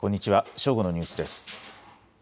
正午のニュースです。